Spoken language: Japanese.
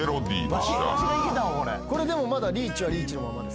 これでもまだリーチはリーチのままですか？